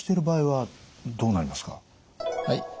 はい。